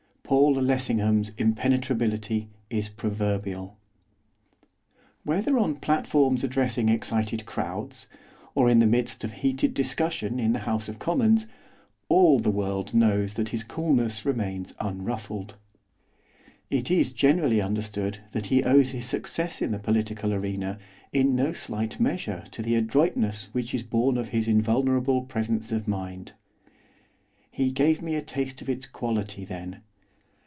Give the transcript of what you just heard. Paul Lessingham's impenetrability is proverbial. Whether on platforms addressing excited crowds, or in the midst of heated discussion in the House of Commons, all the world knows that his coolness remains unruffled. It is generally understood that he owes his success in the political arena in no slight measure to the adroitness which is born of his invulnerable presence of mind. He gave me a taste of its quality then.